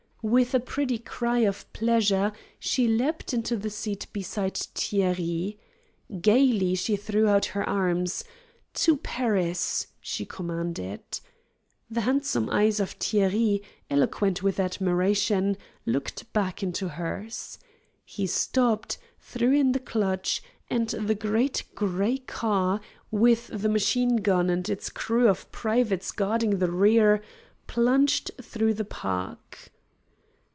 With a pretty cry of pleasure she leaped into the seat beside Thierry. Gayly she threw out her arms. "To Paris!" she commanded. The handsome eyes of Thierry, eloquent with admiration, looked back into hers. He stooped, threw in the clutch, and the great gray car, with the machine gun and its crew of privates guarding the rear, plunged through the park.